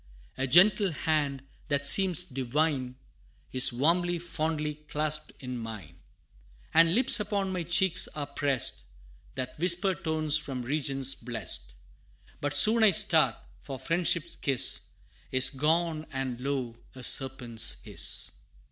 A gentle hand, that seems divine, Is warmly, fondly clasped in mine; And lips upon my cheeks are pressed, That whisper tones from regions blest: But soon I start for friendship's kiss Is gone, and lo! a serpent's hiss.